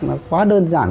nó quá đơn giản